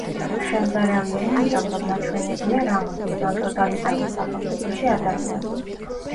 შემზარავია იმიტომ რომ ნაჩვენებია რა მოსდის ამ ტოტალიტარულ სახელმწიფოში ადამიანს.